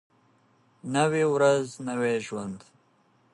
نوی ورځ نوی ژوند.